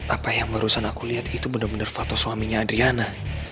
apa yang barusan aku lihat itu benar benar foto suaminya adriana